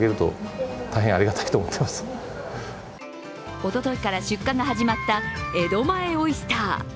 おとといから出荷が始まった江戸前オイスター。